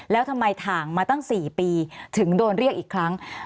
แล้วทำไมถ่างมาตั้ง๔ปีถึงโดนเรียกอีกครั้ง